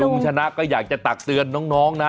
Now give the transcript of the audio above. คุณชนะก็อยากจะตักเตือนน้องนะ